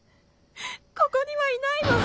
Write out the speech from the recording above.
ここにはいないわ。